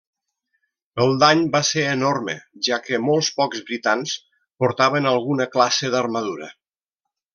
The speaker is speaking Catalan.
El dany va ser enorme, ja que molt pocs britans portaven alguna classe d'armadura.